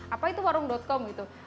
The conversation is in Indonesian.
apa itu warung com gitu